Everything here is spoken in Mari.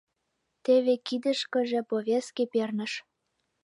Теве кидышкыже повестке перныш.